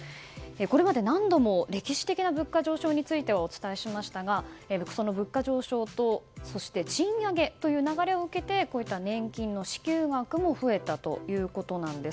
これまで何度も歴史的な物価上昇についてお伝えしましたが、物価上昇と賃上げという流れを受けてこういった年金の支給額も増えたということなんです。